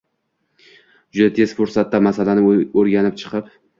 Juda tez fursatda masalani o‘rganib chiqib